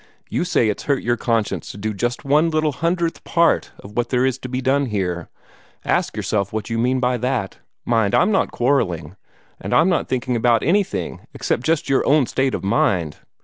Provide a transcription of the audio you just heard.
You say it's hurt your conscience to do just one little hundredth part of what there was to be done here. Ask yourself what you mean by that. Mind, I'm not quarrelling, and I'm not thinking about anything except just your own state of mind.